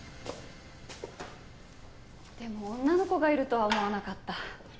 でも女の子がいるとは思わなかった。